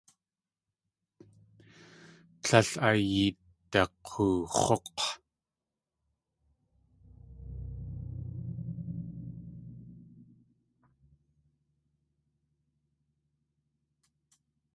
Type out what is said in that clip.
Líl ayeedak̲oox̲úk̲!